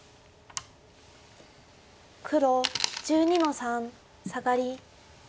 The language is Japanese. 黒１２の三サガリ。